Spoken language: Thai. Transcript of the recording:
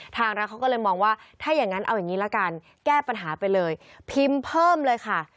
ทางรัฐเขาก็เลยมองว่าถ้าอย่างนั้นเอาอย่างนี้ละกันแก้ปัญหาไปเลยพิมพ์เพิ่มเลยค่ะ